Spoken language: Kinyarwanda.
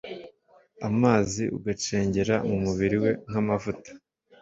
amazi, ugacengera mu mubiri we nk'amavuta